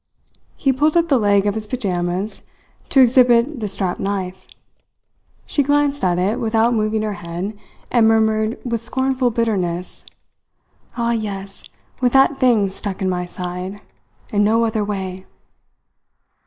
He pulled up the leg of his pyjamas to exhibit the strapped knife. She glanced at it without moving her head, and murmured with scornful bitterness: "Ah, yes with that thing stuck in my side. In no other way."